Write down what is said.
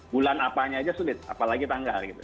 bulan apanya aja sulit apalagi tanggal gitu